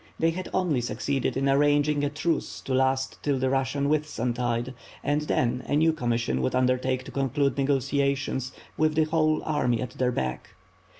They had only succeeded in ar ranging a truce to last till the Russian Whitsuntide; and then a new commission would undertake to conclude negotiations, with the whole army at their back.